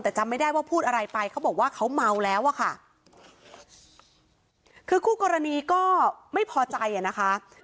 แต่จำไม่ได้ว่าพูดอะไรไปเขาบอกว่าเขาเมาแล้วอะค่ะคือคู่กรณีก็ไม่พอใจอ่ะนะคะ